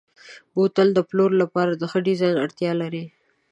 بوتل د پلور لپاره د ښه ډیزاین اړتیا لري.